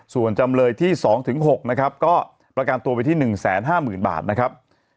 ส่วนจำเลยที่๒๖นะครับก็ประกันตัวไปที่๑๕๐๐๐บาทนะครับ